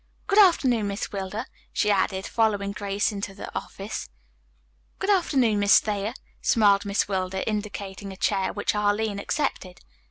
Good afternoon, Miss Wilder," she added, following Grace inside the office. "Good afternoon, Miss Thayer," smiled Miss Wilder, indicating a chair, which Arline accepted.